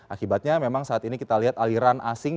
akibatnya memang saat ini kita lihat aliran asing